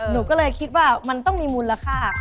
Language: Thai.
หนูก็เลยคิดว่ามันต้องมีมูลค่า